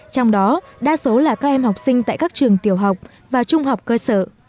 trong đó đa số là các em học sinh tại các trường tiểu học và trung học cơ sở